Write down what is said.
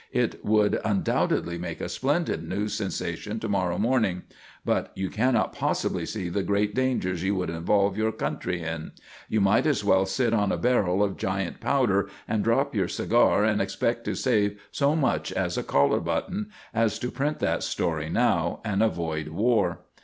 It would undoubtedly make a splendid news sensation to morrow morning. But you cannot possibly see the great dangers you would involve your country in. You might as well sit on a barrel of giant powder, and drop your cigar and expect to save so much as a collar button, as to print that story now and avoid war.